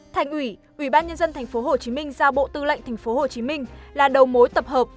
thành ủy ủy ban nhân dân tp hcm giao bộ tư lệnh tp hcm là đầu mối tập hợp